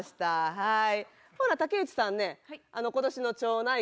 はい。